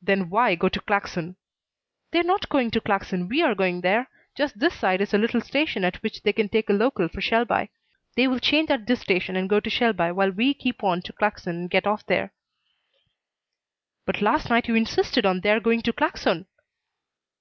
"Then why go to Claxon?" "They're not going to Claxon. We are going there. Just this side is a little station at which they can take a local for Shelby. They will change at this station and go to Shelby while we keep on to Claxon and get off there." "But last night you insisted on their going to Claxon."